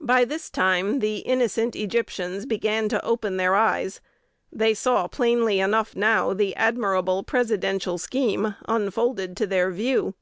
By this time the innocent Egyptians began to open their eyes: they saw plainly enough now the admirable Presidential scheme unfolded to their view.